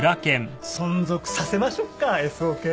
存続させましょっかＳオケ。